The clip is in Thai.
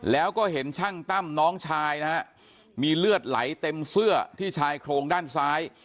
แล้วก็เห็นช่างตั้มน้องชายนะฮะมีเลือดไหลเต็มเสื้อที่ชายโครงด้านซ้าย